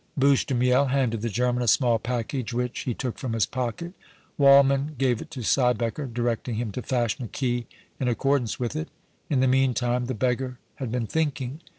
Bouche de Miel handed the German a small package which, he took from his pocket. Waldmann gave it to Siebecker, directing him to fashion a key in accordance with it. In the meantime the beggar had been thinking.